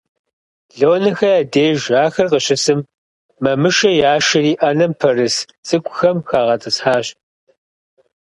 Лонэхэ я деж ахэр къыщысым, Мамышэ яшэри Ӏэнэм пэрыс цӀыкӀухэм хагъэтӀысхьащ.